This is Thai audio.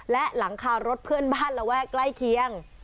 และหลังคารถเพื่อนบ้านระแวกใกล้เคียง